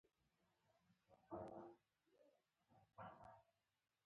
د مېنرالونو د کمښت ستونزه